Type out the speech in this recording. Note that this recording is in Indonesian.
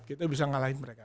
kita bisa ngalahin mereka